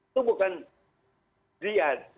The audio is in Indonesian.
itu bukan pilihan